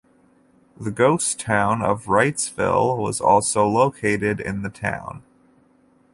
The ghost town of Wrightsville was also located in the town.